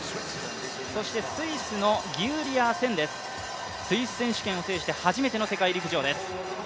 そしてスイスのギウリア・センですスイス選手権を制して初めての世陸陸上です。